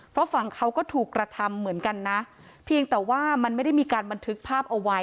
เพราะฝั่งเขาก็ถูกกระทำเหมือนกันนะเพียงแต่ว่ามันไม่ได้มีการบันทึกภาพเอาไว้